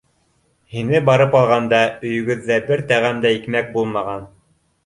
Һине барып алғанда, өйөгөҙҙә бер тәғәм дә икмәк булмаған.